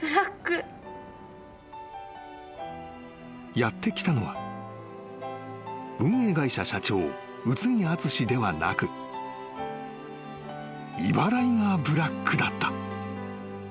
［やって来たのは運営会社社長卯都木睦ではなくイバライガーブラックだった］